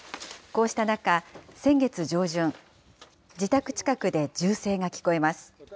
こうした中、先月上旬、自宅近くで銃声が聞こえます。